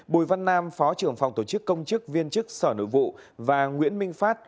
bùi văn nam phó trưởng phòng tổ chức công chức viên chức sở nội vụ và nguyễn minh phát